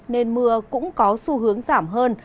nên mưa cũng có xu hướng giảm hơn